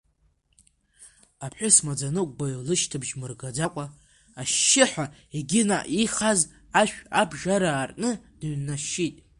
Аԥҳәыс-маӡаныҟәгаҩ лышьҭыбжь мыргаӡакәа, ашьшьыҳәа, егьи, наҟ ихаз ашә абжара аартны, дныҩнашьшьит.